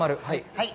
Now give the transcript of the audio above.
はい。